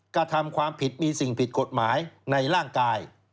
กระทำความผิดมีสิ่งผิดกฎหมายในร่างกาย